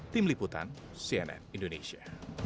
tim liputan cnn indonesia